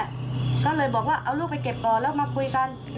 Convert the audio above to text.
ก็เลยบอกว่าเอาลูกไปเก็บก่อนแล้วมาคุยกัน